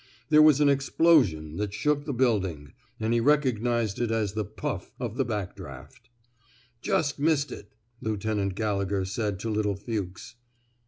There was an explosion that shook the building, and he recognized it as the puff " of the back draft. Just missed it/' Lieu tenant Gallegher said to little Fuchs.